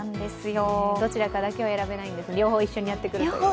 どちらかだけは選べない、両方一緒にやってくるという。